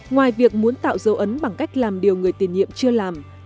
ngoài việc muốn tạo dấu ấn bằng cách làm điều người tiền nhiệm chưa làm